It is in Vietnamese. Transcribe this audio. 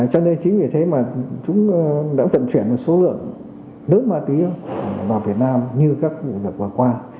cho nên chính vì thế mà chúng đã vận chuyển một số lượng lớn ma túy vào việt nam như các đợt vừa qua